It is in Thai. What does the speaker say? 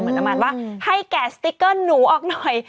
เหมือนน้ำมันว่าให้แก่สติกเกอร์หนูออกหน่อย